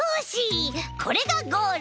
これがゴール！